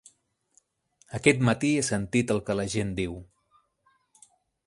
Aquest matí he sentit el que la gent diu.